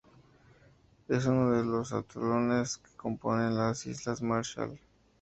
Es uno de los atolones que componen las islas Marshall.